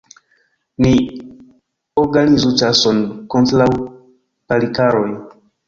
Ni organizu ĉason kontraŭ Palikaroj!